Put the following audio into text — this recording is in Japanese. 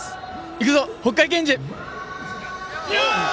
いくぞ北海健児！